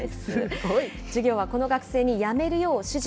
教授は、この学生にやめることを指示。